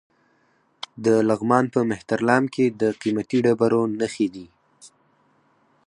د لغمان په مهترلام کې د قیمتي ډبرو نښې دي.